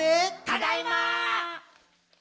ただいま！